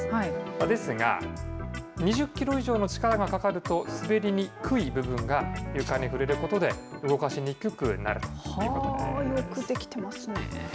ですが、２０キロ以上の力がかかると、滑りにくい部分が床に触れることで、動かしにくくなるといよく出来てますね。